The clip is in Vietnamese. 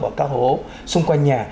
ở các hồ xung quanh nhà